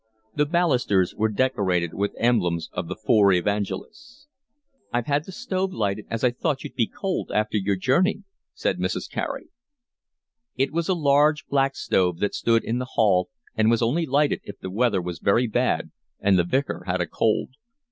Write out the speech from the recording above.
The balusters were decorated with emblems of the Four Evangelists. "I've had the stove lighted as I thought you'd be cold after your journey," said Mrs. Carey. It was a large black stove that stood in the hall and was only lighted if the weather was very bad and the Vicar had a cold.